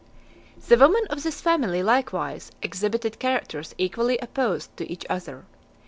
The women of this family, likewise, exhibited characters equally opposed to each other.